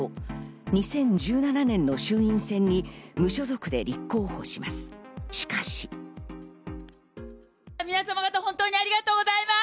２０１７年の衆院選に無所属で立候補します。